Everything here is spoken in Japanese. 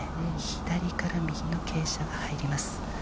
左からの傾斜が入ります。